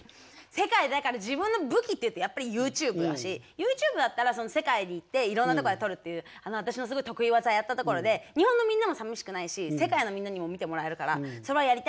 世界だから自分の武器っていうとやっぱりＹｏｕＴｕｂｅだしＹｏｕＴｕｂｅだったら世界に行っていろんな所で撮るっていう私のすごい得意技やったところで日本のみんなもさみしくないし世界のみんなにも見てもらえるからそれはやりたいなって是非思ってるし。